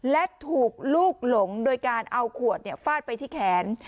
และถูกลูกหลงโดยการเอาขวดฟาดไปที่แขน